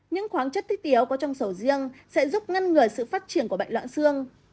những khoáng chất thiết yếu có trong sầu riêng sẽ giúp ngăn ngừa sự phát triển của bệnh loạn xương